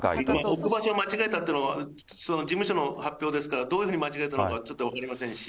置く場所を間違えたっていうのは、事務所の発表ですから、どういうふうに間違えたのかちょっと分かりませんし。